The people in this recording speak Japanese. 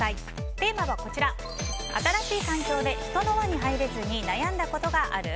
テーマは新しい環境で人の輪に入れずに悩んだことがある？